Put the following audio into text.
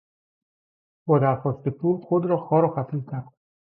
با درخواست پول خود را خوار و خفیف نکن!